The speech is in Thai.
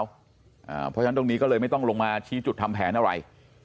เพราะฉะนั้นตรงนี้ก็เลยไม่ต้องลงมาชี้จุดทำแผนอะไร